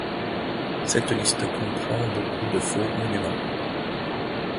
Cette liste comprend beaucoup de faux monuments.